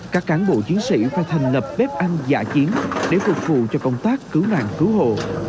các cán bộ chiến sĩ phải thành lập bếp ăn giả chiến để phục vụ cho công tác cứu nạn cứu hộ